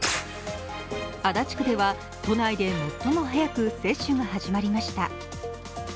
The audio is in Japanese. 足立区では都内で最も早く接種が始まりました。